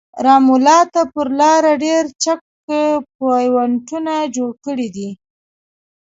رام الله ته پر لاره ډېر چک پواینټونه جوړ کړي دي.